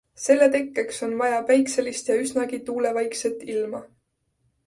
Selle tekkeks on vaja päikeselist ja üsnagi tuulevaikset ilma.